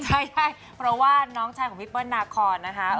ใช่เพราะว่าน้องชายของพี่เปิ้ลนาคอนนะคะ